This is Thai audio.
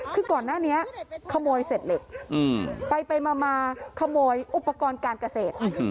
คือก่อนหน้านี้ขโมยเศษเหล็กไปมาขโมยอุปกรณ์การเกษตร